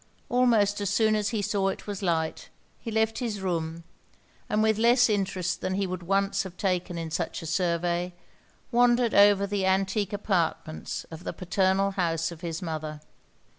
Almost as soon as he saw it was light, he left his room, and with less interest than he would once have taken in such a survey, wandered over the antique apartments of the paternal house of his mother.